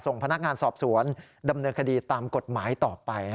พนักงานสอบสวนดำเนินคดีตามกฎหมายต่อไป